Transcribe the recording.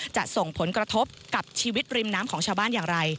จะส่งผลกระทบกับชีวิตริมน้ำของชาวบ้านอย่างไร